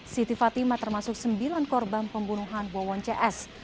siti fatima termasuk sembilan korban pembunuhan wawon cs